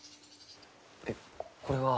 えっこれは。